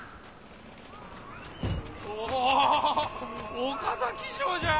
お岡崎城じゃ！